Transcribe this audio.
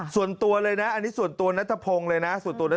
ส่วนตัวเลยนะอันนี้ส่วนตัวนัฐพงเลยนะ